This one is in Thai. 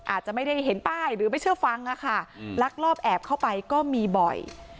อาจจะไม่ได้เห็นป้ายหรือไม่เชื่อฟังค่ะลักลอบแอบเข้าไปก็มีบ่อย